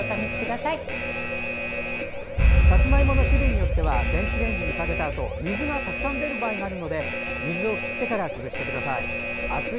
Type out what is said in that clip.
さつまいもの種類によっては電子レンジにかけたあと水がたくさん出る場合があるので水を切ってから潰してください。